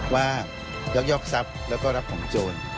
ยักยอกทรัพย์แล้วก็รับของโจร